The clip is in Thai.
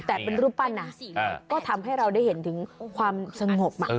แต่เป็นรูปปั้นนะก็ทำให้เราได้เห็นถึงความสงบ